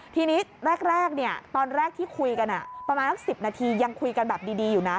ทีนี้แรกตอนแรกที่คุยกันประมาณสัก๑๐นาทียังคุยกันแบบดีอยู่นะ